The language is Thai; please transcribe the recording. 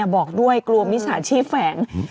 บอกด้วยกลัวมิสาชิฟัง